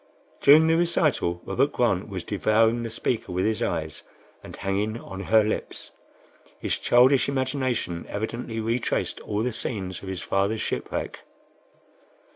During the recital, Robert Grant was devouring the speaker with his eyes, and hanging on her lips. His childish imagination evidently retraced all the scenes of his father's shipwreck.